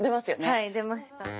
はい出ました。